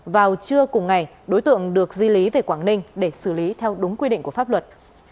vào trưa cùng ngày đối tượng được di lý về quảng ninh để xử lý theo đúng quy định của pháp luật